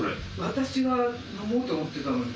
私が飲もうと思ってたのに。